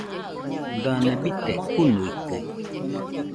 Dane bite jɨnuikɨ?